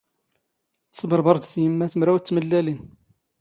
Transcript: ⵜⵙⴱⵕⴱⵕ ⴷ ⵜⵢⵎⵎⴰⵜ ⵎⵔⴰⵡⵜ ⵜⵎⵍⵍⴰⵍⵉⵏ.